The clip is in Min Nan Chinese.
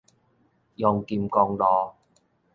陽金公路